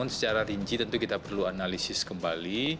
secara rinci tentu kita perlu analisis kembali